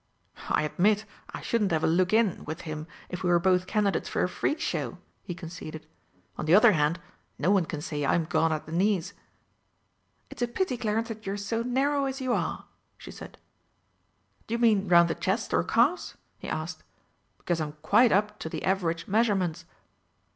"I admit I shouldn't have a look in with him if we were both candidates for a Freak Show," he conceded. "On the other hand, no one can say I'm gone at the knees." "It's a pity, Clarence, that you're so narrow as you are!" she said. "D'you mean round the chest or calves?" he asked. "Because I'm quite up to the average measurements."